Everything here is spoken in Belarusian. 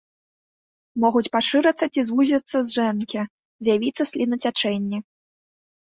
Могуць пашырыцца ці звузіцца зрэнкі, з'явіцца слінацячэнне.